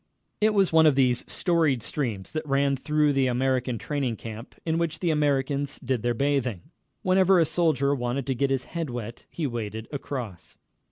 It was one of these storied streams that ran through the American training camp, in which the Americans did their bathing. Whenever a soldier wanted to get his head wet he waded across.